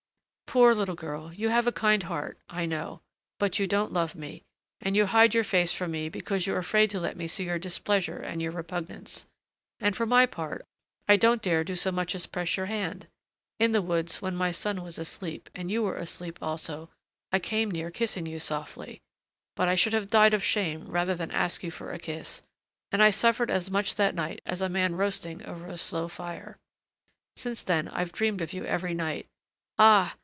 "Poor little girl, you have a kind heart, I know; but you don't love me, and you hide your face from me because you're afraid to let me see your displeasure and your repugnance. And for my part, I don't dare do so much as press your hand! In the woods, when my son was asleep, and you were asleep too, I came near kissing you softly. But I should have died of shame rather than ask you for a kiss, and I suffered as much that night as a man roasting over a slow fire. Since then, I've dreamed of you every night. Ah!